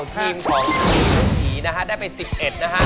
ทีมของพี่ลุกหยีนะฮะได้ไป๑๑นะฮะ